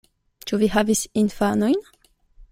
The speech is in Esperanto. Ĉu vi havis infanojn?